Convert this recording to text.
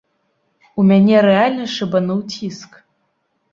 У мяне рэальна шыбануў ціск.